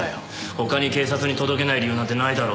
他に警察に届けない理由なんてないだろ。